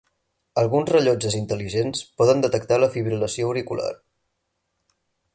Alguns rellotges intel·ligents poden detectar la fibril·lació auricular.